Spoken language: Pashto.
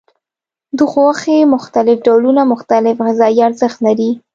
د غوښې مختلف ډولونه مختلف غذایي ارزښت لري.